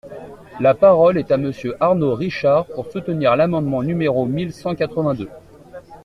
La parole est à Monsieur Arnaud Richard, pour soutenir l’amendement numéro mille cent quatre-vingt-deux.